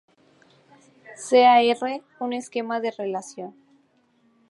Sea R un esquema de relación.